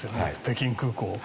北京空港を。